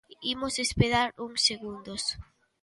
Imos esperar uns segundos.